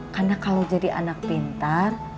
karena kalau jadi anak pintar